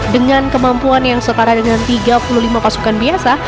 dengan kemampuan yang setara dengan tiga puluh lima pasukan biasa